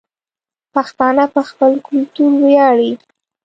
پښتانه په خپل کلتور وياړي